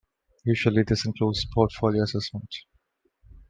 Usually this includes portfolio assessment.